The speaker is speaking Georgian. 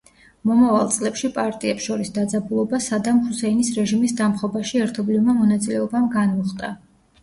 მომავალ წლებში პარტიებს შორის დაძაბულობა სადამ ჰუსეინის რეჟიმის დამხობაში ერთობლივმა მონაწილეობამ განმუხტა.